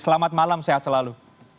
selamat malam sehat selalu